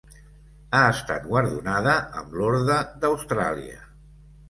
Ha estat guardonada amb l'Orde d'Austràlia.